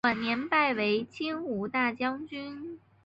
晚年拜为金吾大将军。